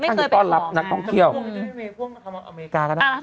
มมีพวกมันคำอเหมือนอเมริกาก็ได้